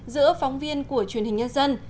giữa phóng viên của truyền hình nhân dân